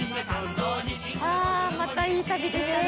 あーまたいい旅でしたね。